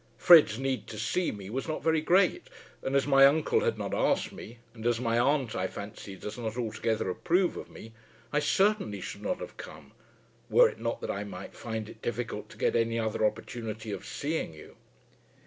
Fred's need to see me was not very great, and, as my uncle had not asked me, and as my aunt, I fancy, does not altogether approve of me, I certainly should not have come, were it not that I might find it difficult to get any other opportunity of seeing you."